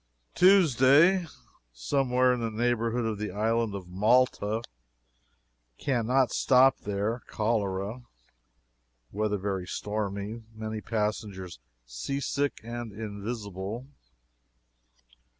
"Tuesday Somewhere in the neighborhood of the island of Malta. Can not stop there. Cholera. Weather very stormy. Many passengers seasick and invisible.